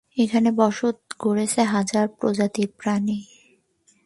এখানে বসত গড়েছে হাজারো প্রজাতির প্রাণী।